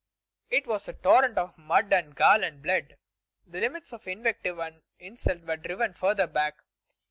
It was a torrent of mud and gall and blood. The limits of invective and insult were driven further back.